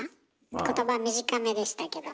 言葉短めでしたけども。